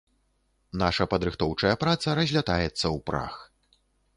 Наша падрыхтоўчая праца разлятаецца ў прах.